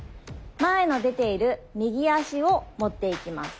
前の出ている右足をもっていきます。